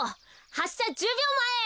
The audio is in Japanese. はっしゃ１０びょうまえ。